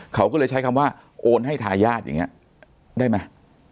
เขาก็เลยใช้คำว่าโอนให้ทายาทอย่างนี้ได้ไหม